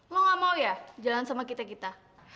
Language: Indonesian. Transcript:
mau gak mau ya jalan sama kita kita